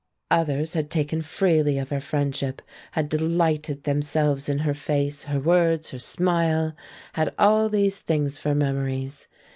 Others had taken freely of her friendship, had delighted themselves in her face, her words, her smile, had all these things for memories.